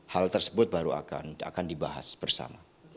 hal tersebut baru akan dibahas bersama